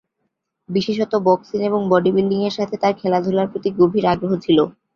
বিশেষত বক্সিং এবং বডি বিল্ডিংয়ের সাথে তাঁর খেলাধুলার প্রতি গভীর আগ্রহ ছিল।